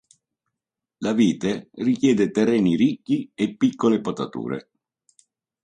La vite richiede terreni ricchi e piccole potature.